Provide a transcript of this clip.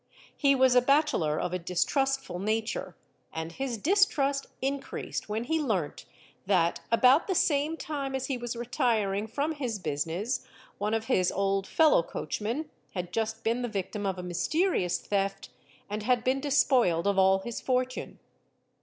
He was a bachelor of a distrustful nature, and his distrust increased when he learnt that, about the same time as he was retiring from his _ business, one of his old fellow coachmen had just been the victim of a ' mysterious theft and had been despoiled of all his fortune.